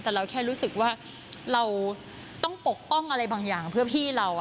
แต่เราแค่รู้สึกว่าเราต้องปกป้องอะไรบางอย่างเพื่อพี่เรา